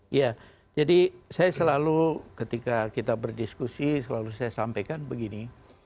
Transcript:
iya jadi saya selalu ketika kita berdiskusi selalu saya sampaikan begini